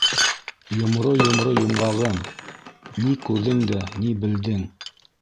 - Йомро-йомро йомғағым, ни күрҙең дә ни белдең?